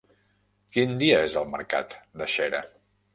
Quin dia és el mercat de Xera?